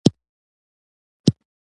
ښه اعلان د زړه خبرې کوي.